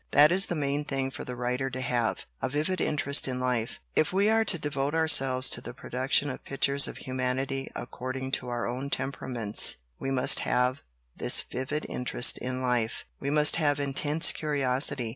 That is the main thing for the writer to have a vivid interest in life. If we are to devote ourselves to the production of pictures of humanity according to our own temperaments, we must have this vivid interest in life; we must have intense curiosity.